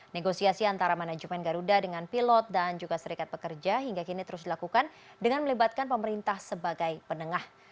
negosiasi antara manajemen garuda dengan pilot dan juga serikat pekerja hingga kini terus dilakukan dengan melibatkan pemerintah sebagai penengah